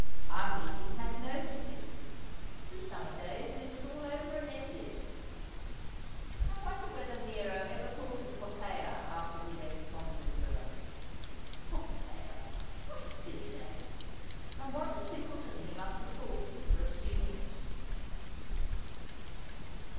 Our meeting had no significance : two summer days and it was all over and ended. I wonder whether Nero ever thought of Poppsea after he left Fontainebleau ? Poppeea ! What a silly name ; and what a simpleton he must have thought me for assuming it.'